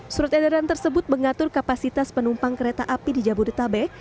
surat edaran tersebut mengatur kapasitas penumpang kereta api di jabodetabek